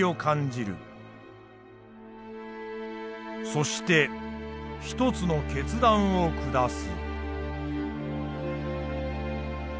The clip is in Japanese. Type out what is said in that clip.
そして一つの決断を下す。